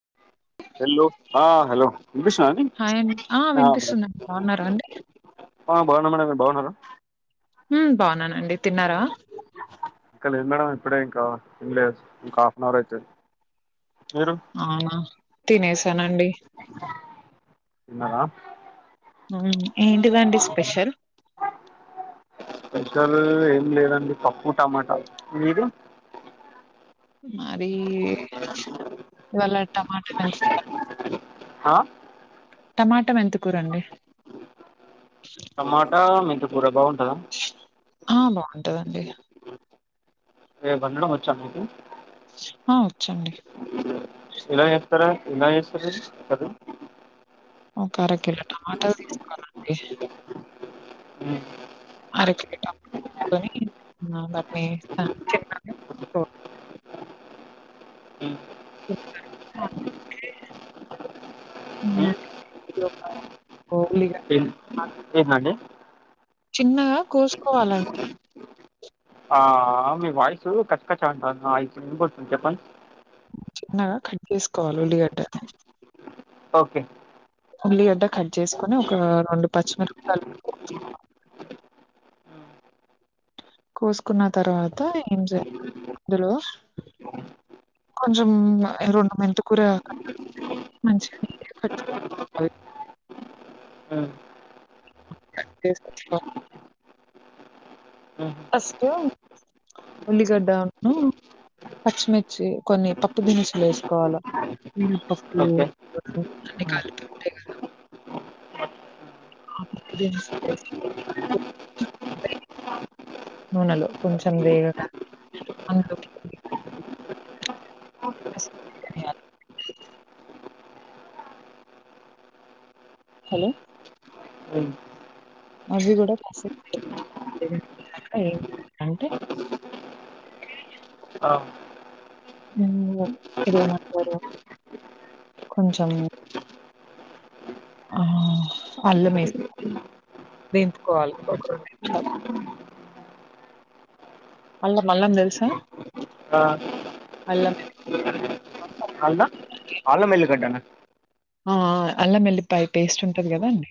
[inaudible] వీళ్ళు ఆ హలో వినిపిస్తుందండి హాయ్ అండి ఆ మేడం వినిపిస్తుందండి బాగున్నారా అండి ఆ బాగున్నా మేడం మీరు బాగున్నారా హు బాగున్నానండి తిన్నారా ఇంకా లేదు మేడం ఇప్పుడే ఇంకా తినలే ఇంకా హాఫ్ అవర్ అయితది మీరు అవునా తినేసానండి తిన్నారా ఏంటిదండి స్పెషల్ స్పెషల్ ఏం లేదండి పప్పు టమాటా మీది మాది ఇవాళ టమాటా రైస్ ఆహా టమాట మెంతి కూర అండి టమాటా మెంతి కూర బాగుంటదా ఆ బాగుంటదండి రేపు వండడం వచ్చా మీకు ఆహ ఎలా చేస్తారు ఎలా చేస్తారు కర్రీ ఒక అరకిల టమాటలు తీసుకోవాలండి హు అరకిల టమాట తీసుకొని ఆ వాటిని [unintelligible] [unintelligible] ఎం ఏంటి అండి చిన్నగా కోసుకోవాలాండి ఆ మీ వాయిసు కచ్చచ్చ ఉంటాది ఆ ఇప్పుడు వినబడుతాంది చెప్పండి చిన్నగా కట్ చేసుకోవాలే ఉల్లిగడ్డ ఓకే ఉల్లిగడ్డ కట్ చేసుకొని ఒక రెండు పచ్చిమిరపకాయలు [inaudible] కోసుకున్న తర్వాత ఏం చేయలి [inaudible] అందులో కొంచం రెండు మెంతి కూర కట్టలు ఉంటాయి మంచిగా నీట్ గా కట్ చేసుకోవాలి హ్మ్ [unintelligible] హ్మ్ ఫస్ట్ ఉల్లిగడ్డ ఉన్ను పచ్చిమిర్చి కొన్ని పప్పు దినుసులు వేసుకోవాల మినప్పప్పు ఓకే అన్ని కలిపి ఉంటాయి కదా [unintelligible] నూనెలు కొంచెం వేగగానే అందులోకి [unintelligible] ధనియాలు [inaudible] హలో హ్మ్ అవి కూడా కాసేపు [unintelligible] అ అంటే [inaudible] ఆ [unintelligible] ఇదే ఏమంటారు కొంచెం ఆ అల్లం వేసుకోవాలి వెంపుకోవాలి ఒక రెండు నిమిషాలు అల్లం అల్లం తెలుసా ఆ అల్లం [unintelligible] అల్లం అల్లం వేల్లిగడ్డ నా ఆ అల్లం ఏల్లిపాయ పేస్ట్ ఉంటది కదా అండి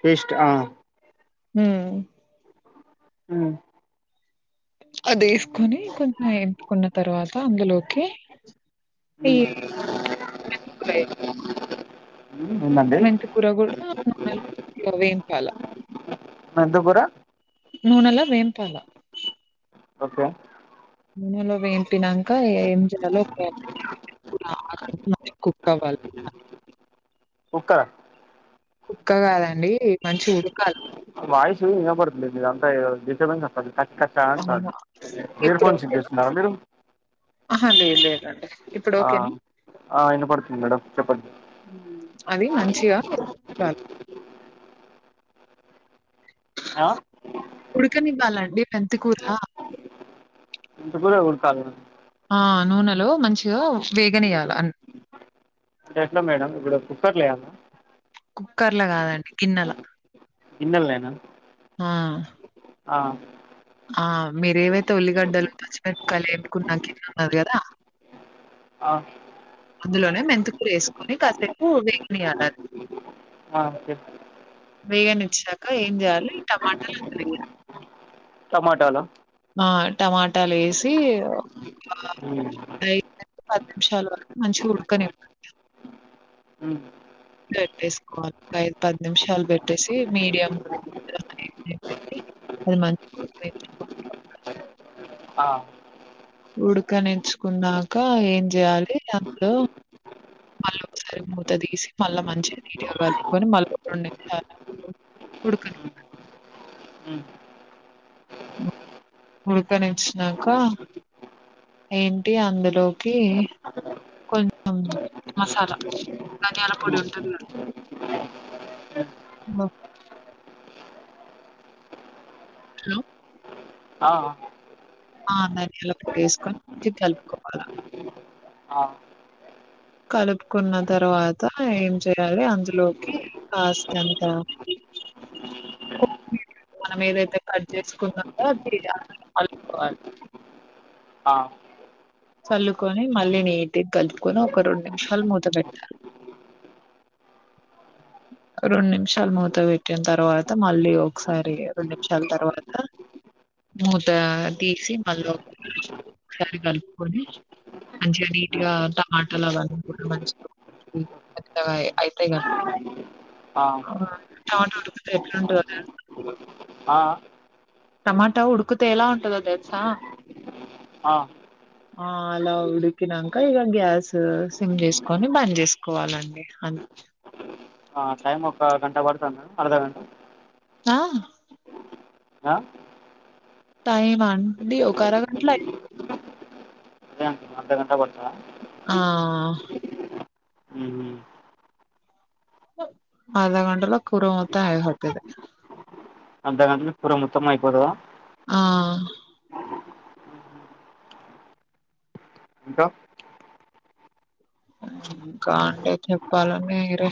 పేస్ట్ ఆ హు అది వేసుకొని కొంచెం ఎంపుకున్న తర్వాత అందులోకి ఈ [inaudible] ఉందండి మెంతి కూర కూడా వేంపల మెంతికూర నూనెలా వెంపల ఓకే నూనెలో వెంపినక ఏం చేయాలో [unintelligible] [inaudible] కుక్క అవ్వాలి కుక్క కుక్క కాదండి మంచిగా ఉడకాలి వాయిస్ ఇ పడుతుంది మీద అంతా డిస్టర్బెన్స్ది కట్ట అంటంది అవునా! ఇయర్ ఫోన్ సి ఇచ్చేస్తున్నారువా మీరు ఆహా లేదా లేదండి ఇప్పుడు ఆ ఓకేనా? ఆ ఇన పడుతుంది మేడం చెప్పండి అది మంచిగా ఉడకాలి ఆ ఉడుకనివ్వాలండి మెంతికూర మెంతికూర ఉడికాల్న ఆ నూనెలో మంచిగా వేగనీయాల అంటే ఎట్లా మేడం ఇప్పుడు కుక్కర్లే అమ కుక్కర్ ల కాదండి గిన్నెల గిన్నెల్ లేనా ఆ! ఆ ఆ మీరేవైతే ఉల్లిగడ్డలు పచ్చిమిరకాయలు ఏపుకున్నాకన్నారు కదా ఆ అందులోనే మెంతికూర వేసుకొని కాసేపు వేగనియాలి ఆ చెపూ వేగన్ని ఇచ్చచ్చాక ఏం చేయాలి టమాటాలు అంత టమాటోలో టమాటాలు వేసి ఉమ్. పది నిమిషాల వరకు మంచిగా ఉడుకనివ్వంది ఉమ్, పెట్టేసుకోవాలి ఒక ఐదు పది నిమిషాలు పెట్టేసి మీడియం [inaudible] ఆ, ఉడకనిచ్చుకున్నాక ఏం చేయాలి అందులో మళ్ళీ సరి మూత తీసి మళ్ళీ మంచిగా నీట్ గా కలుపుకొని మళ్ళీ ఒక రెండు నిమి ఉడకని ఉమ్, ఉడక నిచ్చినకా ఏంటి అందులోకి కొంచం మసాలా ధ్యానల పొడి ఉమ్, ఉంటది కదా అ హలో ఆ, ఆ నని ఎలా పొడి వేసుకొని కలుపుకోవాలా ఆ, కలుపుకున్న తర్వాత ఏం చేయాలి అందులోకి కాస్త అంత మనం ఏదైతే కట్ చేసుకున్న అది అలుకోవాలి ఆ, చల్లుకొని మళ్ళీ నీటికి కలుపుకొని ఒక రెండు నిమిషాలు మూత పెట్టాలి రెండు నిమిషాలు మూత పెట్టిన తర్వాత మళ్ళీ ఒకసారి రెండు నిమిషాల తర్వాత మూత తీసి మళ్ళీ ఒకసారి కలుపుకొని మంచిగా నీట్ గా టమాటాలువన్నీ కూడా మంచిగా మగా అవుతాయి కదా ఆ టమాటో ఉడుకు ఎట్లుంటుంది కదా ఆ టమాటా ఉడుకుతే ఎలా ఉంటందో తెలుసా ఆ ఆ అలా ఉడికినాక ఇక గ్యాస్ సిమ్ చేసుకని బంద్ చేసుకోవాలండి అంతే ఆ టైమ్ ఒక గంట పడుతది మేడం అర్ధగంట ఆ ఆ టైమ్ ఆ అండి ఒక అరగంటలో అర్ధఘంటా పడతాదా ఆ అర్ధ గంటలో కూర మొత్తం అయిపోతది అర్ధగంటలో కూర మొత్తం అయిపోతద ఆ ఇంకా ఇంకా అండి చెప్పాలండి మీరే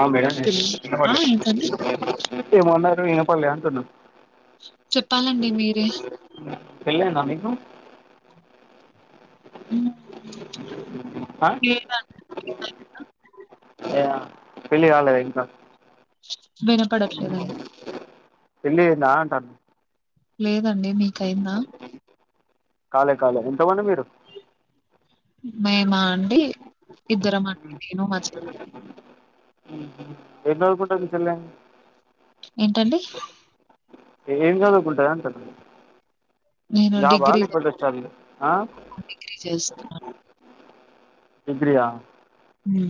ఆ మేడం ఆ వినపడలే ఏంటండి ఏమో అన్నరు వినపడలే అంటున్న చెప్పాలండి మీరే పెళ్లయిందా మీకు ఆ? లేదండి కాలేదు ఏ ఆ పెళ్ళి కాలేదా ఇంకా వినపడట్లేదండి పెళ్లయిందా అంటన్న లేదండి మీకైంద కాలే కాలే ఎంత మంది మీరు మేమా అండి ఇద్దరం అండి నేను మా చెల్లె ఏం చదుకూంటది మీ చెల్లె ఏంటండి ఏం చదువుకుంటాది అంటన్న నేను జాబ్ ఆ డిగ్రీ లేకపోతే స్టడీసా డిగ్రీ చేస్తున్నా డిగ్రీ ఆ హ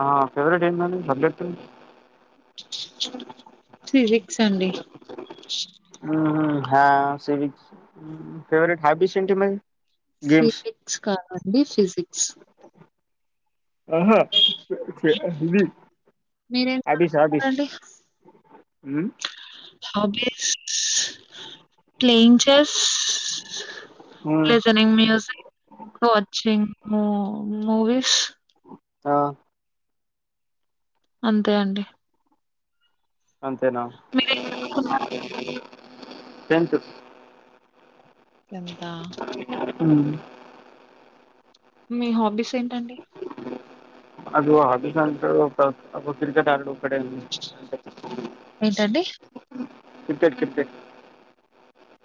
ఆ ఫేవరెట్ ఏంటండి సబ్జెక్ట్ ఫిజిక్స్ అండి ఆ హా సివిక్స్ ఫేవరెట్ హాబీస్ ఏంటి మరి గేమ్స్ పిజిక్స్ కాదండి ఫిజిక్స్ ఆహా మీరేం ఆఫీస్ ఆఫీస్ చదువుతున్నారండి అ hobbies playing chess listening music watching movies ఆ అంతే అండి అంతేనా ఆ టెంతు టెన్త్ ఆ ఉమ్ మీ హాబీస్ ఏంటండి అద అది అ అ క్రరిికట్ ఆడు కడ చడి క్రికెట్ క్రికెట్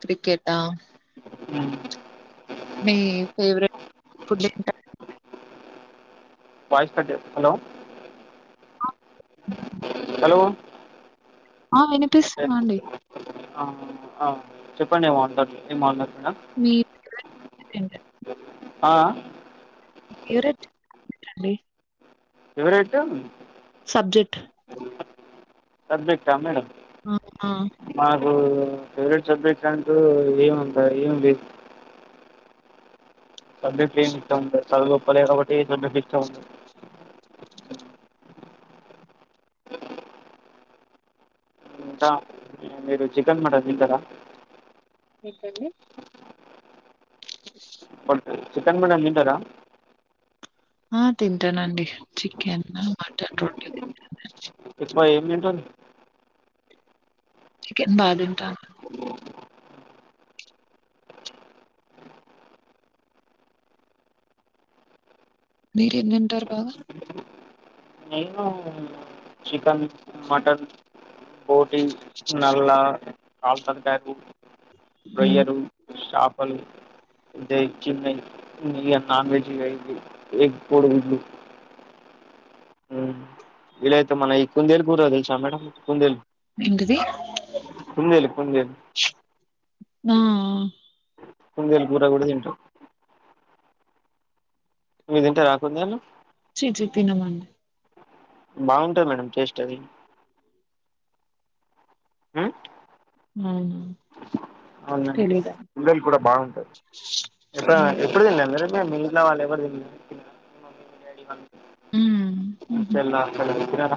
క్రికెట్ా హ మీ ఫేవరెట్ ఫడ్ వయిస్ హలో అ హలో ఆ కట్టే వినిపిస్తుంద అండి ఆ చెప్పండి ఏమో అన్నారు ఏంన్నారు కదా మీ [inaudible] ఆ [inaudible] ఎవరూ అంటా సబ్జెక్ట్ సబ్జెక్టా మేడమ్ ఆ ఆ ఫేవరెట్ సబ్జెక్ట్ అంటూ ఏముంటాయి ఏమి లేవు సబ్జెక్ట్స్ ఏం ఇష్టం ఉండవ్ సాధువు అబ్బాలే కాబట్టి ఏ సబ్జెక్ట్ ఇష్టం ఉండది కా మీరు చికెన్ మటన్ తింటారా [inaudible] బట్ చికెన్ కూడా తింటారా ఆ తింటానండి చికెన్ మటన్ రెండు తింటాను ఎక్కువ ఏం తింటారు చికెన్ బాగా తింటాను మీరు ఏం తింటారు బాగా నేను చికన్ మటన్ బొట్టి, నల్ల, కళ్తకైలు హ్మ్. రొయ్యలు, షాపలు ఇదే చిన్నై ఇయా నాన్ వెెజీ వయింది ఎగపోడు గుడ్లు వీలైతే మన ఈ కుందేలు కూర తెలుసా మేడం కుందేలు ఎంటిది కుందేలు కుందేలు ఆ ఆ కుందేలు కూర కూడా తింట మీదింటరా కుందేలు చి చి తినమండి బాగుంటాయి మేడం టెస్ట్ అది ఉమ్, ఆ అవునండి కుందేలు కూడా బాగుంటాది హ్మ్. ఎప్పుడైన్ ఎప్పుడు తినలేద మీరు మీ ఇంట్లా వాళ్లెవరూ హ్మ్. హుహు. [inaudible]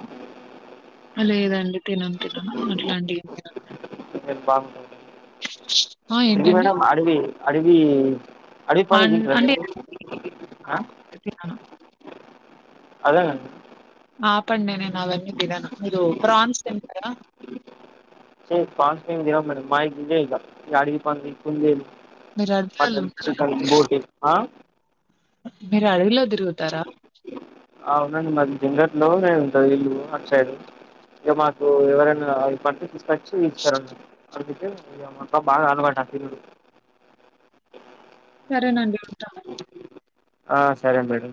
లేదండి తినం తినం అట్లాంటివి ఏం తినం మేము బాగుంటాది ఇది ఏంటండి? మేడం అడివి అడవి అడివిపంది అన్ తింటారా అంటే మీరు ఆ ఆపండి తినను. అదేనండి ఆ పందే నేను అవన్న దినను మీరు ప్రాన్స్ తింటారా ఫాన్స్ ఏం తినం ఇగ మావి ఇవే అడవి పంది, కుందేలు మీరు అడవులలో మటన్ ఉంటారా చికన్ అండి? బోటి ఆ మీరు అడవిలో తీరుగుతారా అవునండి మాది జింగట్లో నే ఉంటది ఇల్లు అటు సైడు ఇక మాకు ఎవరైనా పటిస్త ఇస్తారండి అందుకే ఇగ మొత్తం బాగా అలవాటు సరేనండి ఉంటాను ఆ సరే మేడం